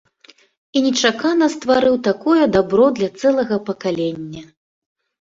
І нечакана стварыў такое дабро для цэлага пакалення.